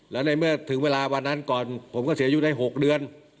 แล้วในเมื่อถึงเวลาวันนั้นก่อนผมก็เสียชีวิตได้๖เดือน